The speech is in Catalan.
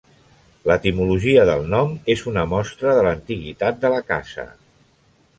L'etimologia del nom és una mostra de l'antiguitat de la casa.